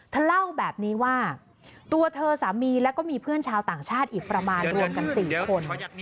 เธอเล่าแบบนี้ว่าตัวเธอสามีแล้วก็มีเพื่อนชาวต่างชาติอีกประมาณรวมกัน๔คน